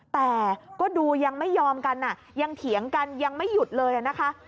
แต่ก็ดูยังไม่ยอมกันยังเถียงกันยังไม่หยุดเลยนะคะ